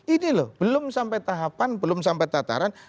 ini loh belum sampai tahapan belum sampai tataran